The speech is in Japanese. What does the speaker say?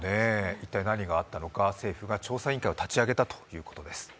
一体何があったのか政府が調査委員会を立ち上げたということです。